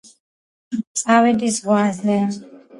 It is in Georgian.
წავედი ზღვაზე